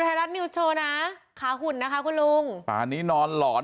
ไทยรัฐนิวส์โชว์นะขาหุ่นนะคะคุณลุงป่านี้นอนหลอน